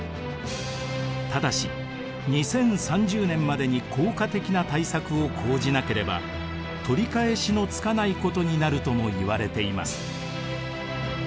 ただし２０３０年までに効果的な対策を講じなければ取り返しのつかないことになるともいわれています。